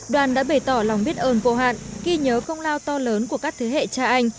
đoàn đã bày tỏ lòng biết ơn vô hạn ghi nhớ công lao to lớn của các thế hệ cha anh